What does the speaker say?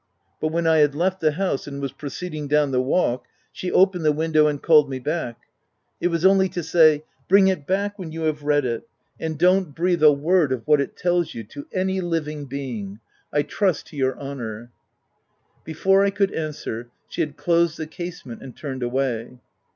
But when I had left the house, and was proceeding down the walk, she opened the window and called me back. It was only to say,— OF WILDFELL HALL. 267 " Bring it back when you have read it ; and don't breathe a word of what it tells you to any living being — I trust to your honour." Before I could answer, she had closed the casement and turned away.